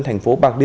thành phố bạc điêu